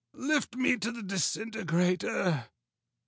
Lift me to the disintegrator.